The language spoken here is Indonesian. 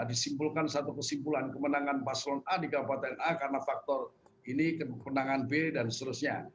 disimpulkan satu kesimpulan kemenangan paslon a di kabupaten a karena faktor ini kemenangan b dan seterusnya